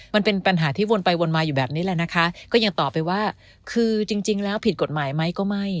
มันเป็นปัญหาที่วนไปวนมาอยู่แบบนี้แหละนะคะก็ยังตอบไปว่าคือจริงแล้วผิดกฎหมายไหมก็ไม่